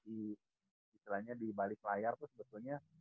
di istilahnya di balik layar tuh sebetulnya